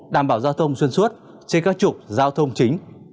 đảm bảo giao thông xuyên suốt trên các trục giao thông chính